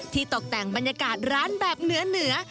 ตกแต่งบรรยากาศร้านแบบเหนือ